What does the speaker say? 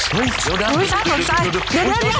เว้ยเดี๋ยวโอ้ชายสนใจ